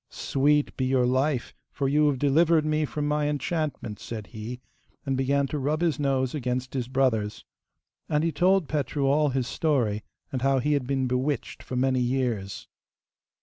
'Sweet be your life, for you have delivered me from my enchantment,' said he, and began to rub his nose against his brother's. And he told Petru all his story, and how he had been bewitched for many years.